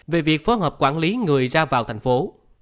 về việc phối hợp quản lý người ra vào thành phố